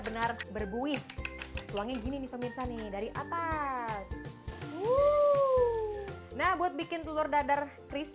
benar berbuih uangnya gini pemirsa nih dari atas nah buat bikin telur dadar crispy ala warteg yang